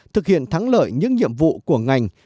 thực hiện thắng lợi những nhiệm vụ của ngành